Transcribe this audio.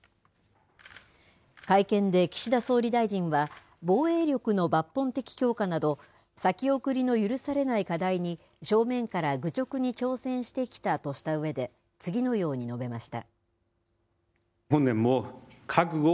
会見で岸田総理大臣は、防衛力の抜本的強化など、先送りの許されない課題に正面から愚直に挑戦してきたとしたうえで、次のように述べました。